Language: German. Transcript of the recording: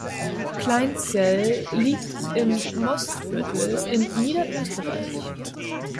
Kleinzell liegt im Mostviertel in Niederösterreich.